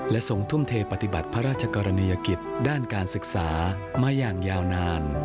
ทรงทุ่มเทปฏิบัติพระราชกรณียกิจด้านการศึกษามาอย่างยาวนาน